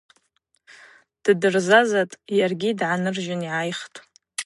Ддырзазатӏ, йаргьи дгӏаныржьын йгӏайхтӏ.